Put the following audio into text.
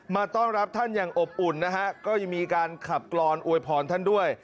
ต้อนรับท่านอย่างอบอุ่นนะฮะก็ยังมีการขับกรอนอวยพรท่านด้วย